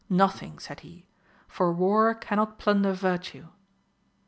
Nothing, said he, for war cannot plunder virtue.